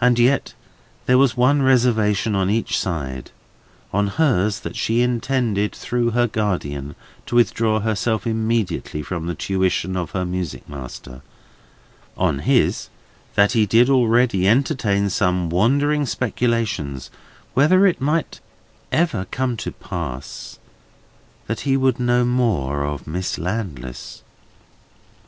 And yet there was one reservation on each side; on hers, that she intended through her guardian to withdraw herself immediately from the tuition of her music master; on his, that he did already entertain some wandering speculations whether it might ever come to pass that he would know more of Miss Landless.